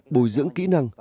bồi dưỡng kỹ năng